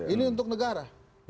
ini untuk negara